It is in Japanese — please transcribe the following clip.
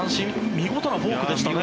見事なフォークでしたね。